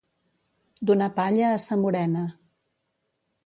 Donar palla a sa morena.